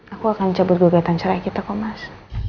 aku akan cabut geger tancai kita kemas